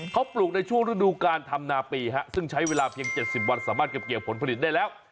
เขาปลูกในช่วงฤดูการทำนาปีซึ่งใช้เวลาเพียง๗๐วันสามารถเก็บเกี่ยวผลผลิตได้แล้ว